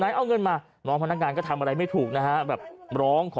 เอาเงินมาน้องพนักงานก็ทำอะไรไม่ถูกนะฮะแบบร้องขอ